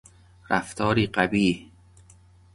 رفتاری قبیح